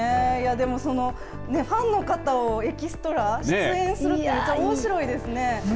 でもファンの方をエキストラ、出演するっておもしろいですね。